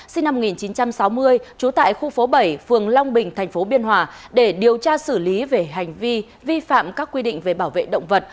sinh năm một nghìn chín trăm sáu mươi trú tại khu phố bảy phường long bình tp biên hòa để điều tra xử lý về hành vi vi phạm các quy định về bảo vệ động vật